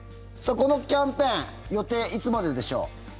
このキャンペーン予定、いつまででしょう。